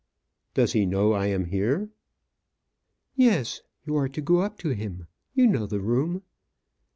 "Does he know I am here?" "Yes. You are to go up to him. You know the room?"